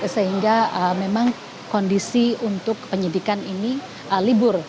sehingga memang kondisi untuk penyidikan ini libur